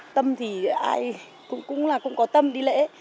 tâm thì ai cũng là cũng có tâm đi lễ